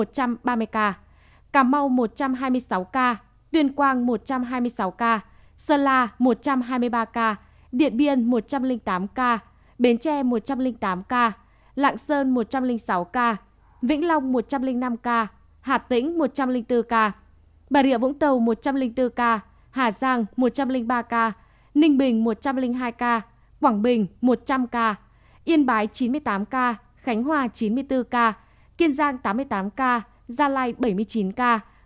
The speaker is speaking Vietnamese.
cảm mau một trăm hai mươi sáu ca tuyền quang một trăm hai mươi sáu ca sơn la một trăm hai mươi ba ca điện biên một trăm linh tám ca bến tre một trăm linh tám ca lạng sơn một trăm linh sáu ca vĩnh long một trăm linh năm ca hà tĩnh một trăm linh bốn ca bà rịa vũng tàu một trăm linh bốn ca hà giang một trăm linh ba ca ninh bình một trăm linh hai ca quảng bình một trăm linh ca yên bái chín mươi tám ca khánh hòa chín mươi bốn ca kiên giang tám mươi tám ca gia lai bảy mươi chín ca